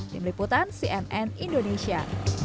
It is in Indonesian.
tim liputan cnn indonesia